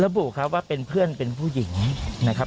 บุครับว่าเป็นเพื่อนเป็นผู้หญิงนะครับ